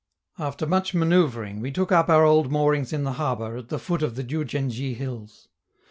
After much manoeuvring we took up our old moorings in the harbor, at the foot of the Diou djen dji hills.